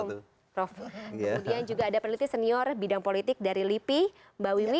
kemudian juga ada peneliti senior bidang politik dari lipi mbak wiwi